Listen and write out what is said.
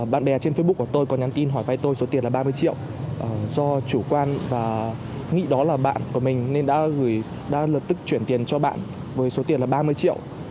bạn bè trên facebook của tôi có nhắn tin hỏi vay tôi số tiền là ba mươi triệu do chủ quan và nghĩ đó là bạn của mình nên đã lập tức chuyển tiền cho bạn với số tiền là ba mươi triệu